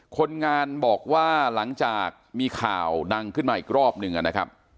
คนงานบอกว่าหลังจากมีข่าวดังขึ้นมาอีกรอบหนึ่งนะครับ